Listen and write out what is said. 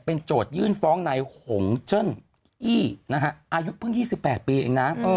เป็นโจทย์ยื่นฟ้องนายหงเจิ่นอี้อายุเพิ่ง๒๘ปีเองนะ